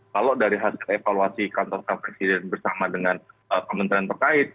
kalau dari hasil evaluasi kantor presiden bersama dengan kementerian terkait